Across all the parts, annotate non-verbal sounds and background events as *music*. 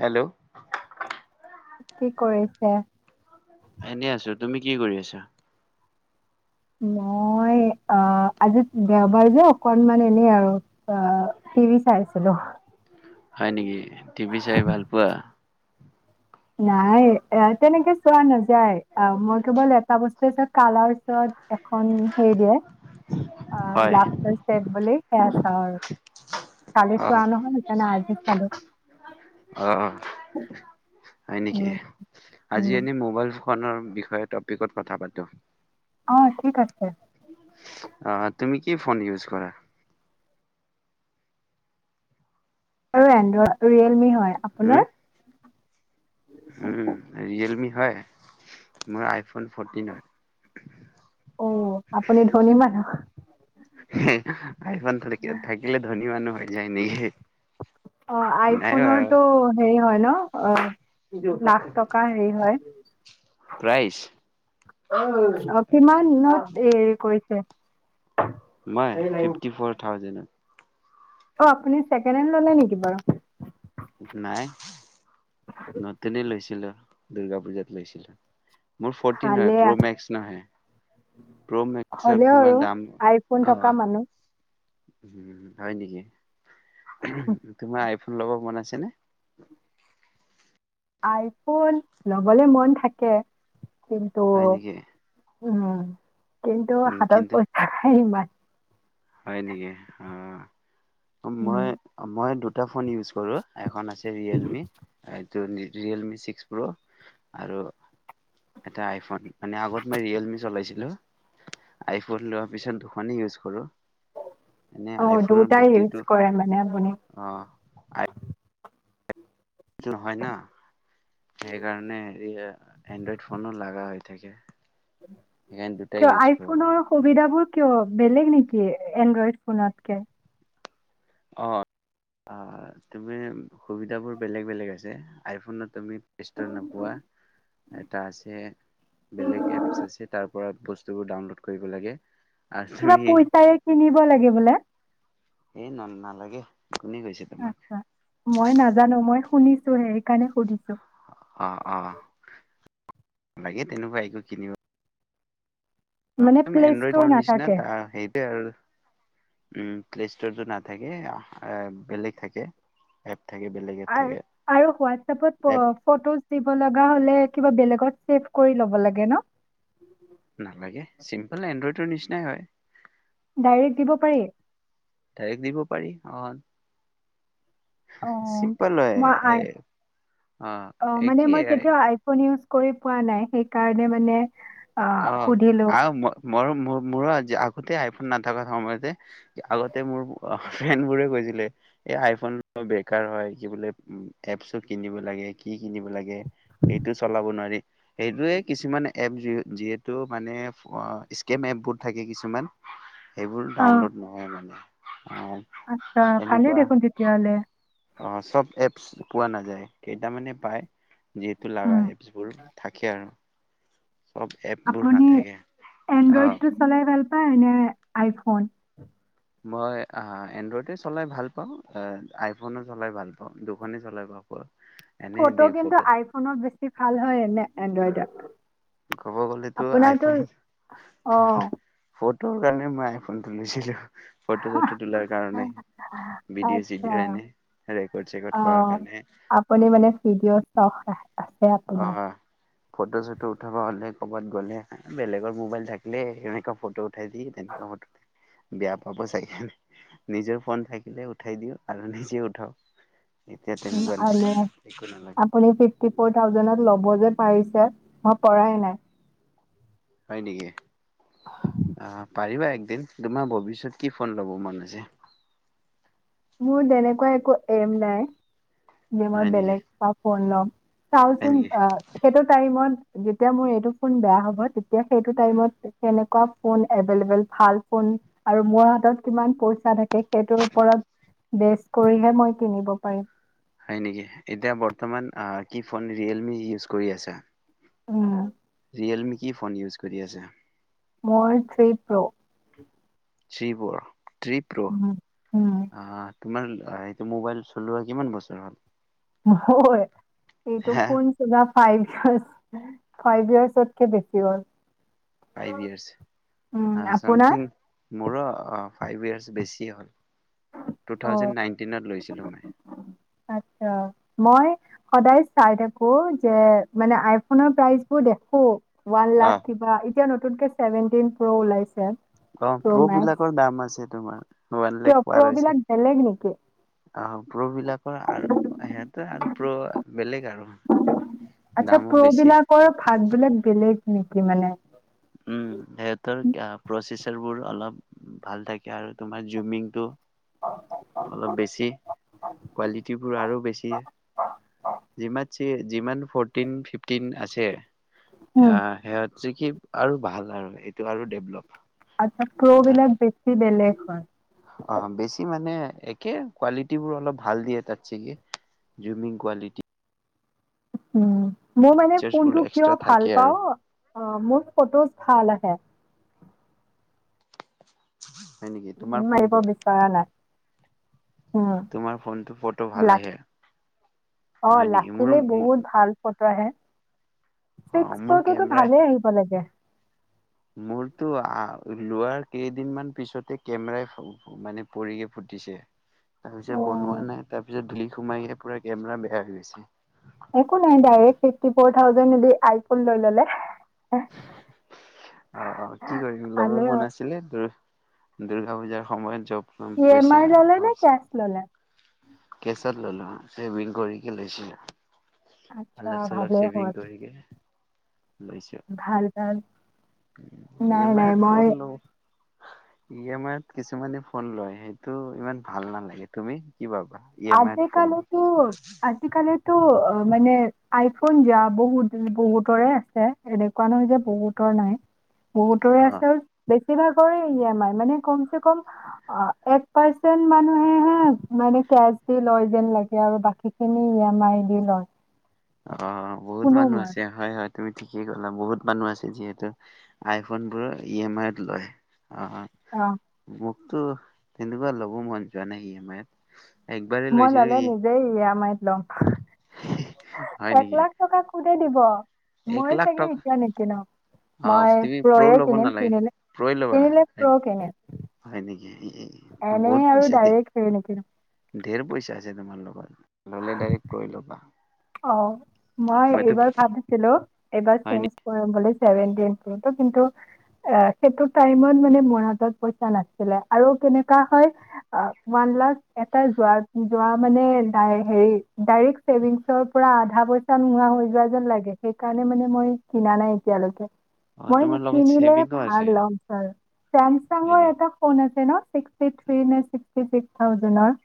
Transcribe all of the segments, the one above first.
Hello কি কৰিছা? এনেই আছোঁ, তুমি কি কৰি আছা? মই অ, আজি দেওবাৰ যে, অকনমান এনে আৰু অ' টিভি চাই আছিলো। হয় নেকি? টিভি চাই ভাল পোৱা? নাই, এ তেনেকে চোৱা নাযায়। অ মই কেৱল এটা বস্তু চাওঁ, কালাৰচত এখন হেৰি দিয়ে, আ হয় লাফটাৰ চে'ফ বুলি সেয়া চাওঁ আৰু। কালি অ চোৱা নহ'ল, সেইকাৰণে আজি চালো। অ হয় নেকি? উম উম আজি এনে মোবাইল ফোনৰ বিষয়ে টপিকত কথা পাতো। অ', ‌ঠিক আছে। অ', তুমি কি ফোন ইউজ কৰা? অ', এণ্ড্ৰইড ৰিয়েলমি হয়, উম আপোনাৰ? উম, ৰিয়েলমি হয়? মোৰ আইফোন ফৰ্টিন অ আপুনি ধনী মানুহ। হয়। আইফোন থাকি, থাকিলে ধনী মানুহ হয় হৈ যায় নেকি? অ, নাই বাৰু আইফোনৰটো হেৰি হয় ন? অ' লাখ টকাৰ হেৰি হয় প্ৰাইছ? অ অ' কিমান ন এ কৈছে। নাই, ফিফটি ফৰ থাউজেণ্ডৰ। অ', ‌ আপুনি ছেকেণ্ড হেণ্ড ল'লে নেকি বাৰু? নাই। নতুনেই লৈছিলো। দুৰ্গা পূজাত লৈছিলো। মোৰ ফৰ্টিন হয়, ভালে প্ৰ মেক্স নহয়। প্ৰ' মেক্সত হ'লেও আৰু তোমাৰ দাম আইফোন থকা মানুহ উম, হয় নেকি? তোমাৰ আই ফোন ল'ব মন আছে নে? আইফোন ল'বলৈ মন থাকে কিন্তু হয় নেকি? উম, কিন্তু উম, হাতত কিন্তু পইচা নাই ইমান। হয় নেকি, অ, উম মই, মই দুট দুটা ফোন ইউজ কৰোঁ, এখন আছ হেৰি ৰিয়েলমি। ৰিয়েলমি ছিক্স প্ৰ' আৰু এটা আইফোন মানে আগত মই ৰিয়েলমি চলাইছিলো। আইফোন লোৱাৰ পিছত দুখনে ইউজ কৰো। অ দুটাই ইউজ কৰে মানে আপুনি। অ', হয় ন সেইকাৰণে এই এনড্ৰইড ফোনো লাগা হয়। তাকে। কিয় আইফোনৰ সুবিধাবোৰ। কিয় বেলেগ নেকি এণ্ড্ৰইড ফোনতকে। অ অ তুমি সুবিধাবোৰ বেলেগ বেলেগ আছে। আইফোনত তুমি, স্ত্ৰৰ নোপোৱা। এটা আছে বেলেগ এপছ আছে তাৰ পৰা। বস্তুবোৰ ডাউনলোড কৰিব লাগে। আৰু কিবা তুমি পইচাৰে কিনিব লাগে বোলে। এই নালা। নালাগে। কোনে কৈছে তোমাক আটচ্ছা। মই নাজানো মই, শুনিছোহে, সেইকাৰণে সুধিছো। অ অ। লাগে তেনেকুৱা একো কিনিব। মানে প্লে ষ্ট'ৰ নাথাকে। সেয়ে আৰু উম প্লে ষ্টোৰটো নাথাকে আ আ বেলেগ থাকে *unintelligible* এপ আও, থাকে আৰু হোৱাটচ‌আপত এপ ফ-ফটোজ দিব লগা হলে কিবা বেলেগ গত ছেভ কৰি ল'ব লাগে ন? নালাগে, চিম্পল এনড্ৰইডৰ নিচিনাই হয়। ডাইৰেক্ট দিব পাৰি? ডাইৰেক্ট দিব পাৰি, অন অঁ চিম্পল হয় মই আই অ অঁ মানে একেই মই হয়। কেতিয়াও আইফোন ইউজ কৰি পোৱা নাই সেইকাৰণে মানে অ সুধিলো মোৰ-মোৰ-মোৰো আগতে আইফোন নাথাককাৰ সময়তে আগতে মোৰ অ ফ্ৰেণ্ড বোৰে কৈছিলে এই আইফোন বেকাৰ হয়, কি বোলে এপছো কিনিব লাগে কি কিনিব লাগে। সেইটো চলাব নোৱাৰি। সেইটোৱে কিছুমান এপ যি যিহেতু মানে স্কেম এপবোৰ থাকে কিছুমান সেইবোৰ ডাউনলোড নহয় মানে। অ', আত্চ্ছা ভালেই এনেকুৱা দেখোন তেতিয়া হ'লে। অ চব এপচ পোৱা নাযায় কেইটামানে পায়। যিহেতু উম, লাগাই এপছবোৰ থাকে আৰু। চব এপবোৰ আপুনি নাথাকে অ', এনডইডটো চলাই ভাল হয় এনে আইফোন? মই এনড্ৰইডে চলাই ভাল পাওঁ, আইফোনো চলাই ভাল পাওঁ, দুখনেই চলাই পাওঁ এনে ফটো দি কিন্তু আইফোনত বেছি ভাল হয়নে এনড্ৰইড? *inaudible* ক'ব গ'লেতো আইফোন ফোন অঁ ফোট তোৰ কাৰণে মই আইফোনটো লৈছিলোঁ। ফটো চটো তোলাৰ কাৰণে, ভিডিঅ' আচ্ছা চিডিঅ এনে, ৰেকৰ্ড চেকৰ্ড কৰাৰ অ', কাৰণে আপুনি অ মানে ভিডিঅ' চখ আ- আছে অ আপোনাৰ। ফটো-চটো উঠাব হলে ক'বাত গ'লে বেলেগৰ মোবাইল থাকিলে সেনেকুৱা ফটো উঠাই দিয়ে তেনেকুৱা ফটো বেয়া পাব চাগে৷নিজৰ ফোন থাকিলে উঠাই দিওঁ আৰু নিজে উঠাওঁ। *unintelligible* আপুনি ফিফ্টি ফৰ থাউজেনত লব মই যে পাৰিছে মই পৰাই নাই। হয় নেকি? আ। পাৰিবা একদিন তোমাৰ ভৱিষ্যত কি ফোন ল'ব মন আছে? মোৰ তেনেকুৱা একো এম নাই। যে মই হয় নেকি বেলেগ কা ফোন লম। হয় চাওচোন নেকি অ সেইটোৰ টাইমত যেতিয়া মই এইটোফোন বেয়া হব তেতিয়া সেইটো টাইমত তেনেকুৱা ফোন এভেলেবুল ভাল ফোন আৰু মোৰ হাতত কিমান পইচা থাকে সেইটো ওপৰত। বেচ কৰিহে মই কিনিব পাৰিম। হয় নেকি এতিয়া বৰ্তমান কি ফোন ৰিয়েলমি ইউজ কৰি আছা। উম। ৰিয়েলমি কি ফোন ইউজ কৰি আছা। মোৰ three pro three প্ৰৰ three pro উম, উম, আহ আহ তোমাৰ সেইটো মোবাইল চলোৱা কিমান বছৰ হ'ল। *unintelligible* এইটো হা ফোন চলোৱা ফাইভ ইয়াচ ফাইভ ইয়াৰ্চতকে বেছি হ'ল। ফাইভ উম, ইয়েৰ্চ, আপোনাৰ চামথিং। মোৰো ফাইভ ইয়াৰ্চ বেছি হ'ল। অ' টো-থাউজেন নাইনটিনত লৈছিলোঁ মই। আচ্ছা মই সদায় চাই থাকো যে মানে আইফোনৰ প্ৰাইচ বোৰ দেখো। ওৱান অ লাখ অ কিবা এতিয়া ন নতুনকে ছেভেনটিন প্ৰ' ওলাইছে। অহ প্ৰ' বিলাকৰ দাম আছে তোমাৰ। ওৱান কিয় লাখ পাৰ প্ৰ' হৈছে বিলাক বেলেগ নেকি আহ প্ৰ' বিলাকৰ আৰু সিহঁতে আৰু প্ৰ' বেলেগ আৰু আচ্ছা দামো প্ৰ' বেছি। বিলাকৰ ভাগ বিলাক বেলেগ নেকি মানে। উম সিহঁতৰ প্ৰচেচাৰবোৰ অলপ ভাল থাকে আৰু তোমাৰ জুমিংটো। অলপ বেছি কোৱালিটিবোৰ আৰু বেছি যিমান। যিমান ফৰটিন ফিফটিন আছে উম, অ সেই যেখি *unintelligible* আৰু ভাল আৰু এইটো আৰু ডেভলপ। আচ্ছা প্ৰ' বিলাগ বেচি বেলেগ। হয়। অ' বেছি মানে একে কোৱালিটিবোৰ অলপ ভাল দিয়ে তাত চাগে, জুমিং কোৱালিটি। উম। মই মানে ফিচাৰ্চবোৰ ফোনটো কিয় এক্সট্ৰা ভাল থাকে আৰু পাওঁ। আহ, মোৰ ফটোজ ভাল আহে। *inaudible* তোমাৰ মৰিব ফোনটো বিচৰা নাই। উম, তোমাৰ ফোনটো ফ'টো ভাল লা আহে। হয় নেকি? মোৰো মোৰ ত' আহে। অ ছিক্স *unintelligible* ভালে আহিব লাগে। মোৰটো আ লোৱাৰ কেইদিনমান পিছতে কেমেৰাই, মানে পৰিকে ফুটিছে। তাৰ অ'। পিছত বনোৱা নাই, তাৰ পিছত ধূলি সোমাই পুৰা কেমেৰা বেয়া হৈ গৈছে। একো নাই, ডাইৰেক্ট *unintelligible* থাউজেণ্ডেদি আইফোন লৈ ল'লে। অ', অ', কি কৰিম, ল'ব ভালে মন হ'ল। আছিলে *unintelligible* দুৰ্গা পূজাৰ সময়ত জব ই এম আই ল'লে নে? কেচ ল'লে? কেচত ল'লো, বিল *unintelligible* আতচ্ছা, ভালে হ'ল। লৈছোঁ। ভাল ভাল। ই নাই এম‌ নাই আইত মই ফোন ই এম আইত কিছুমানে ফোন লয়, সেইটো ইমান ভাল নালাগে। তুমি? কি ভাবা ই এম আইত আজি ফোন কালিতো, আজিকালি টো, অ', মানে আইফোন যা বহুত, বহুতৰে আছে, এনেকুৱা নহয় যে, বহুতৰ নাই। বহুতৰে লোৱা? অ আছে বেছ বেছি ভাগৰে ই এম আই, মানে কমচেকম আ, এক পাৰচেণ্ট মানুহেহে মানে কেছ লয় যেন লাগে, আৰু বাকীখিনি ই এম আই দি লয়। অ', বহুত শুনো মানুহ মই আছে হয়, হয়। তুমি ঠিকেই ক'লা, বহুত মানুহ আছে যিহেতু আইফোনবোৰ ই এম আইত লয়। অ', অ *unintelligible* তোৰ, তেনেকুৱা ল'ব মন যোৱা নাই, ই এম আইত একবাৰেই মই লৈছিলো ল'লে ই নিজেই ই এম আইত লম। হয় এক নেকি? *unintelligible* দিব। এক মই লাখ চাগে টকা এতিয়া নিকিনো, অ মই তুমি প্ৰ' প্ৰ'য়ে ল'ব কিনিম নালাগে কিনিলে, প্ৰ'ই ল'বা কিনিলে প্ৰ কিনিম। হয় নেকি, এনেই বহুত আৰু পইছো দে। ডাইৰেক্ট হেৰি নিকিনো ধেৰ পইচা আছে তোমাৰ লগত। ললে ডাইৰেক্ট প্ৰ এ ল'বা। অ', মই মইতো এইবাৰ ভাবিছিলো, এইবাৰ হয় চেঞ্জ নেকি কৰিম বুলি সেভেন্তিন প্ৰ'টো কিন্তু, আহ, সেইটো টাইমত মানে মোৰ হাতত পইচা নাছিলে। আৰু কেনেকুৱা হয়, ওৱান লাখ এটা যোৱাৰ, যোৱা মানে দাই হেৰি ডাইৰেক্ট ছেভিংছত পুৰা আধা পইচা নোহোৱা হৈ যোৱা যেন লাগে, সেইকাৰণে মানে মই কিনা নাই এতিয়ালৈকে। অ মই তোমাৰ লগত কিনিলে ছেভিংও আছে ভাল লম আৰু। হয় ছেমছাংৰ নি এটা ফন আছে ন', চিক্স ই থ্ৰী নে চিক ফিকি ছিক্স থাউজেণ্ডৰ।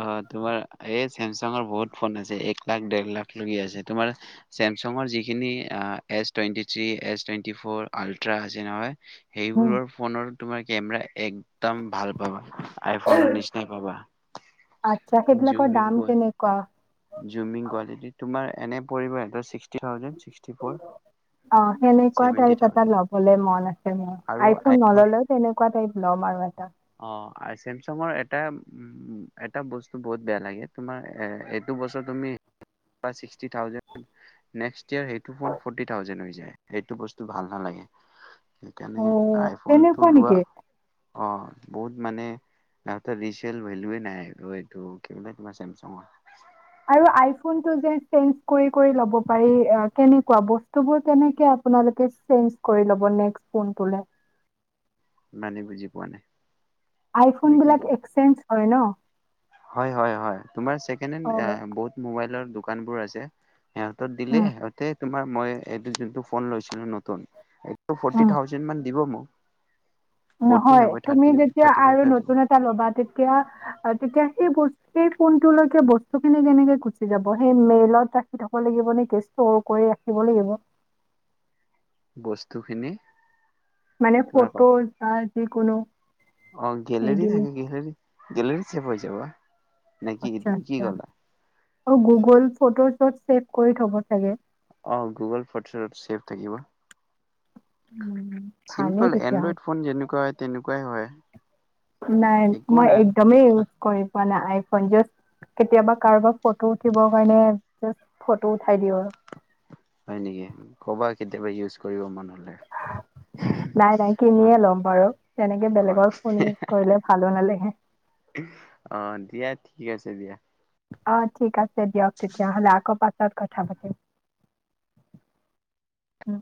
অ' তোমাৰ এই চেমচাঙৰ বহুত ফোন আছে, এক লাখ-ডেৰ লাখ লৈকে আছে। তোমাৰ, চেমচাঙৰ যিখিনি S twenty three, S twenty four ultra আছে নহয়। সেইবোৰৰ ফোনৰ তোমাৰ কেমেৰা একদম ভাল পাবা, আইফোনৰ নিচিনাই পাবা। আটচ্ছা, সেইবিলাকৰ জুমিং দাম কোৱা কেনেকুৱা? Zooming quality. তোমাৰ এনে পৰিব এটা ছিক্স অ' সেনেকুৱা ছেভেন্টি টাইপ এটা থাউজেণ্ড লবলে মন আছে মোৰ আইফোন নললেও তেনেকুৱা টাইপ লম আৰু এটা অ' আৰু চেমচাঙৰ এটা এটা বস্তু বহুত বেয়া লাগে তোমাৰ এইটো বছৰ তুমি চিকস্টি থাউজেন নেক্সট ইয়েৰ সেইটো বস্ত ফৌৰটি থাউজেন হৈ যায় হেইটো বস্তু ভাল নালাগে অ সেইকাৰণে আইফোনটো তেনেকুৱা লোৱা নেকি অ' বহুত মানে নাতে ৰিচল ভেলুৱেই নাই আৰু এইটো কি বিলাক চেমচঙৰ আৰু আইফোনটো যে চেইনজ কৰি কৰি লব পাৰি কেনেকুৱা বস্তুবোৰ কেনেকৈ আপোনালোকে চেনজ কৰি লব নেক্সট ফোন ললে মানে বুজি পোৱা নাই আইফোন তুমি কি বিলাক কৰা এক্সচেঞ্জ হয় ন হয় হয় হয় তোমাৰ অ ছেকেণ্ডহেন বহুত মোবাইল দোকান দোকানবোৰ আছে সিহঁতক দিলে উম, সিহঁতে তোমাৰ মই এইটো যোনটো ফোন লৈছিলো নতুন এইটো ফৰ্টি উম। থাউজেণ্ড মান দিব মোক ফৰ্টি নহয় তুমি থাৰ্টি যেতিয়া থাৰ্টি ফাইভ আৰু থাউজেণ্ড নতুন এটা ল'বা তেতিয়া তেতিয়া সেই বস্তু সেই ফোনটোলৈকে বস্তুখিনি কেনেকে গুচি যাব সেই মেইলত ৰাখি থব লাগিব নে কেৰ কৰি ৰাখিব লাগিব বস্তুখিনি মানে ফটোত, আহ কোনো অৱ গলেৰি থাকে *unintelligible* গলেৰিত ছেৱ হৈ যাব। নে কি আচ্ছা তুমি কি আচ্ছা ক'লা। অ গুগল ফটো চ্বত চছেভ কৰি থব লাগে। অ গুগল ফত চছেভ থাকিব। উম। ভালেই চিম্পল তেতিয়াহ'লে এনড্ৰইড ফোন যেনেকুৱা তেনেকুৱাই হয়। নাই একো মই নাই একদমেই ইউজ কৰি পোৱা না। *unintelligible* কেতিয়াবা কাৰোবাক ফটো উঠিব কাৰণে ফটো উঠাই দিওঁ আৰু হয় নেকি ক'বা কেতিয়াবা ইউজ কৰিব মন হ'লে। নাই নাই কিনিয়ে অ' লম বাৰু, তেনেকে বেলেগৰ ফোন ইউজ কৰিলে ভালো নালাগে। অ দিয়া ঠিক আছে দিয়া। অ', ঠিক আছ দিয়ক তেতিয়া হ'লে, আক পাচত কথা পাতিম, উম।